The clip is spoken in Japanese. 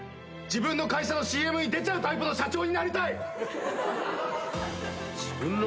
自分の会社のＣＭに出ちゃうタイプの社長？